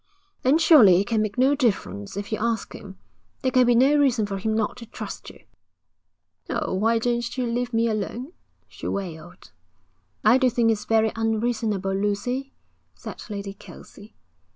'Then surely it can make no difference if you ask him. There can be no reason for him not to trust you.' 'Oh, why don't you leave me alone?' she wailed. 'I do think it's very unreasonable, Lucy,' said Lady Kelsey.